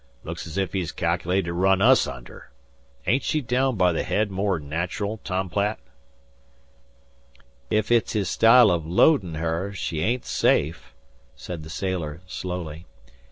"Looks 's if he cal'lated to run us under. Ain't she daown by the head more 'n natural, Tom Platt?" "Ef it's his style o' loadin' her she ain't safe," said the sailor slowly.